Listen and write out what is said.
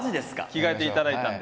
着替えていただいたんで。